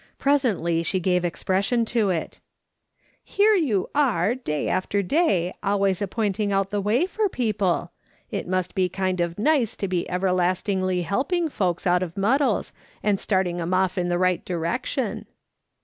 Presently she gave expression to it : "Here you are day after day always a pointing out the way for people ! It must be kind of nice t<j be everlastingly helping folks out of muddles, and starting of 'em off in the riirht direction."